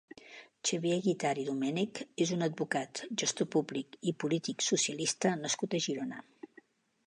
Xavier Guitart i Domènech és un advocat, gestor públic i polític socialista nascut a Girona.